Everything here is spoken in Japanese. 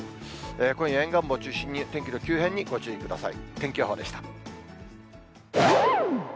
今夜、沿岸部を中心に天気の急変にご注意ください。